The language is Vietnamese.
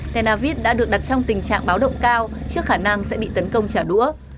tel aviv đã được đặt trong tình trạng báo động cao trước khả năng sẽ bị tấn công trả đũa